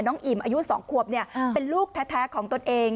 อิ่มอายุ๒ขวบเป็นลูกแท้ของตนเอง